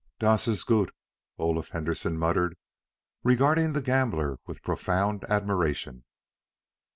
"Dot iss goot," Olaf Henderson muttered, regarding the gambler with profound admiration.